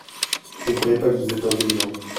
Ne croyez pas que vous êtes intelligent.